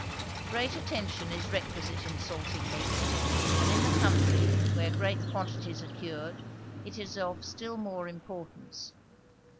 Great attention is requisite in salting meat, and in the country, where great quantities are cured, it is of still more importance.